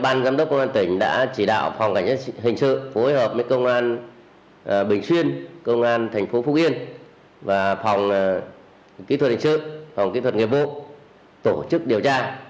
ban giám đốc công an tỉnh đã chỉ đạo phòng cảnh sát hình sơ phối hợp với công an bình xuyên công an thành phố phúc yên và phòng kỹ thuật hình sơ phòng kỹ thuật nghiệp vụ tổ chức điều tra